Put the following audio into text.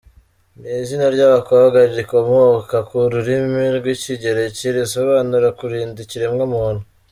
Ni izina ry’abakobwa rikomoka ku rurimi rw’Ikigereki risobanura “kurinda ikiremwamuntu”.